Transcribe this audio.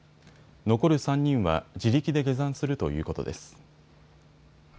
残る３人は自力で下山するということです。